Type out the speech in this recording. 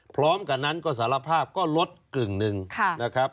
พร้อมกันนั้นก็สารภาพก็ลดกึ่งหนึ่งนะครับ